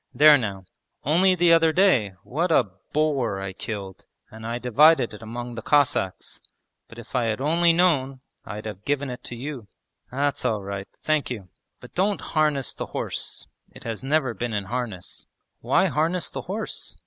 There now, only the other day, what a boar I killed, and I divided it among the Cossacks, but if I had only known, I'd have given it to you.' 'That's all right, thank you! But don't harness the horse, it has never been in harness.' 'Why harness the horse?